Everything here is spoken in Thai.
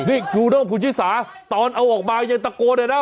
นี่คุณพุทธศาสตร์ตอนเอาออกมายังตะโกนเลยนะ